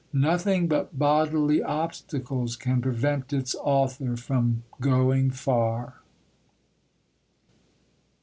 Nothing but bodily obstacles can prevent its author from going far.